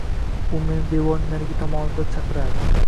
U meni devorning narigi tomonida chaqirardi